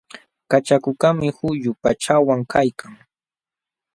Kachakukaqmi quyu pachawan kaykan.